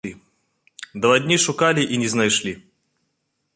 Два дні шукалі і не знайшлі.